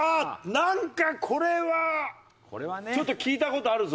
なんかこれはちょっと聞いた事あるぞ。